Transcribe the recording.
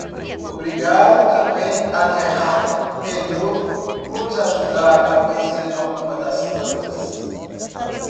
Obrigado também a Gerald Pennant por nos ajudar a conhecer algumas das plantas.